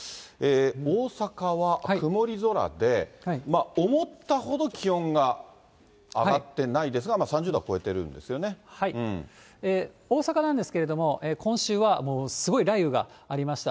大阪は曇り空で、思ったほど気温が上がってないですが、大阪なんですけれども、今週はすごい雷雨がありました。